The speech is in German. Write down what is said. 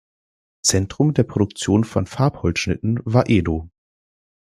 Zentrum der Produktion von Farbholzschnitten war Edo.